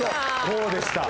こうでした